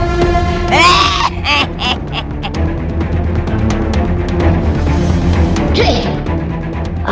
aku akan mencari penyelamat